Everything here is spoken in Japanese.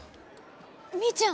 みーちゃん